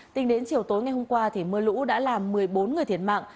tính đến chiều tối ngày hôm qua mưa lũ đã làm một mươi bốn người thiệt mạng